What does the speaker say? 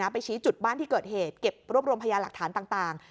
ไปชี้จุดบ้านที่เกิดเหตุเก็บรวบรวมพยาหลักฐานต่าง